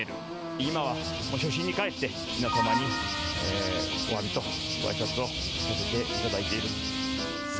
今は初心に帰って、皆様におわびとごあいさつをさせていただいていると。